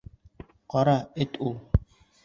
Ҡара Эт ул!